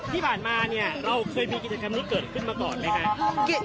ที่ผ่านมาเนี่ยเราเคยมีกิจกรรมนี้เกิดขึ้นมาก่อนไหมคะ